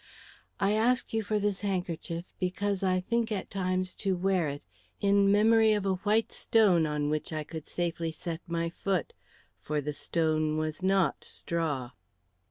I ask you for this handkerchief, because I think at times to wear it in memory of a white stone on which I could safely set my foot, for the stone was not straw."